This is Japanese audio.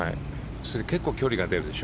結構、距離が出るでしょ。